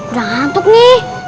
udah ngantuk nih